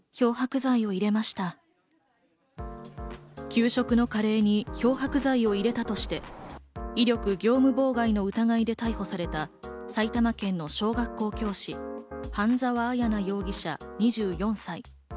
給食のカレーに漂白剤を入れたとして、威力業務妨害の疑いで逮捕された埼玉県の小学校教師・半沢彩奈容疑者、２４歳。